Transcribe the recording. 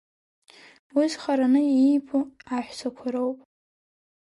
Уи зхараны иибо аҳәсақәа роуп.